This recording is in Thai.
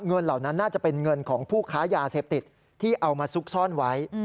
เหล่านั้นน่าจะเป็นเงินของผู้ค้ายาเสพติดที่เอามาซุกซ่อนไว้